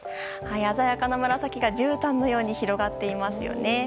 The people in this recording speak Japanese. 鮮やかな紫がじゅうたんのように広がっていますね。